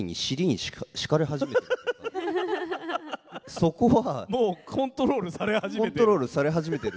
そこは。